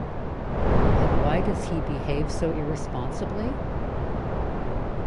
And why does he behave so irresponsibly?